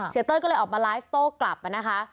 เศรษฐ์เตยก็เลยออกไปไลฟ์โต้กลับนะคะ